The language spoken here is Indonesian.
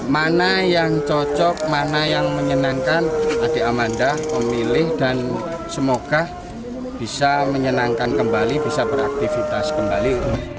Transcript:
mana yang cocok mana yang menyenangkan adik amanda memilih dan semoga bisa menyenangkan kembali bisa beraktivitas kembali